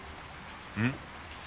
うん？